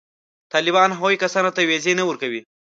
طالبان هغو کسانو ته وېزې نه ورکوي.